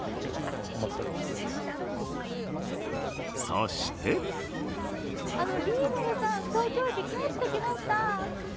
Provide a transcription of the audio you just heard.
そしてあのリーベルさん、東京駅に帰ってきました。